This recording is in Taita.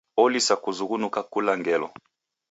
Olisa kuzughunuka kula ngelo.